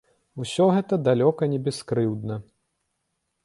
Усё гэта далёка не бяскрыўдна.